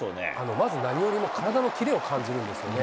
まず、何よりも体のキレを感じるんですよね。